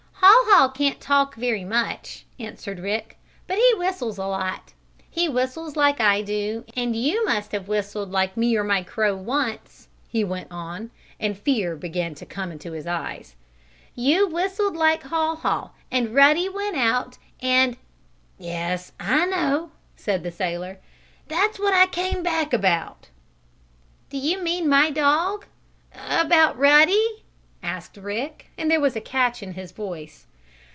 "Haw Haw can't talk very much," answered Rick. "But he whistles a lot. He whistles like I do, and and you must have whistled like me or my crow once!" he went on, and fear began to come into his eyes. "You whistled like Haw Haw and Ruddy went out and " "Yes, I know," said the sailor. "That's what I came back about." "Do you mean about my dog about Ruddy?" asked Rick and there was a catch in his voice.